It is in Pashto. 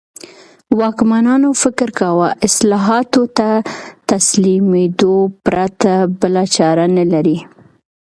واکمنانو فکر کاوه اصلاحاتو ته تسلیمېدو پرته بله چاره نه لري.